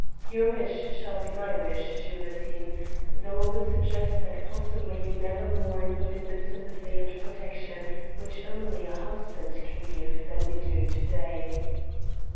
Your wish shall be my wish, Gilbertine; though I would suggest that possibly you never more needed the sympathy and protection which only a husband can give than you do to day."